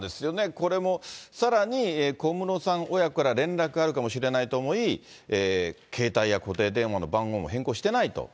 これも、さらに、小室さん親子から連絡があるかもしれないと思い、携帯や固定電話の番号を変更していないと。